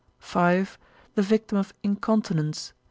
5. The Victim of Incontinence.